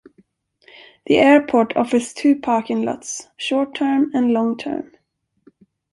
The airport offers two parking lots: short term and long term.